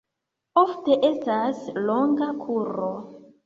Ofte estas longa kuro.